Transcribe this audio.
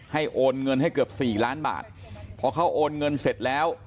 โอนเงินให้เกือบสี่ล้านบาทพอเขาโอนเงินเสร็จแล้ว